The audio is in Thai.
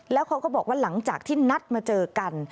แล้วเขาก็บอกว่าหลังจากที่นัดมาเจอกัน